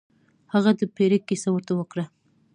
هغه د پیري کیسه ورته وکړه.